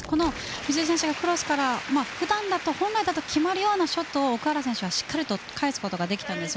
水井選手がクロスから普段だと決まるようなショットを奥原選手はしっかりと返すことができたんです。